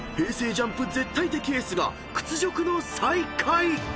ＪＵＭＰ絶対的エースが屈辱の］